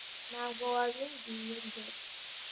ntabwo wabimbwiye mbere.